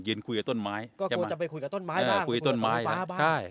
ยืนคุยกับต้นไม้ก็ควรจะไปคุยกับต้นไม้บ้างคุยกับสวนฟ้าบ้างใช่